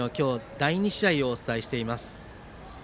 第２試合をお伝えしています。